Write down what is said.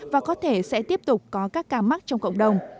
và có thể sẽ tiếp tục có các ca mắc trong cộng đồng